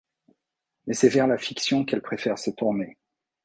Mais c’est vers la fiction qu’elle préfère se tourner.